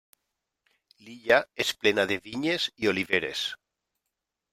L'illa és plena de vinyes i oliveres.